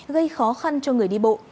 gây khó khăn cho người đi bộ